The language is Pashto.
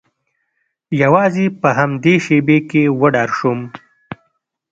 یوازې په همدې شیبې کې وډار شوم